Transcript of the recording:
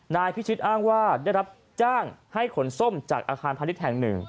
นายพิชิตอ้างว่าได้รับจ้างให้ขนส้มจากอาคารพาณิชย์แห่งหนึ่ง